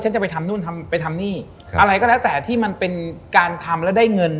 จะไปทำนู่นทำไปทำนี่อะไรก็แล้วแต่ที่มันเป็นการทำแล้วได้เงิน